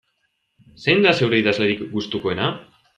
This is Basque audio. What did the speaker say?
Zein da zeure idazlerik gustukoena?